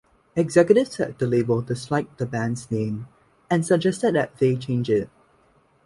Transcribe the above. Executives at the label disliked the band's name, and suggested that they change it.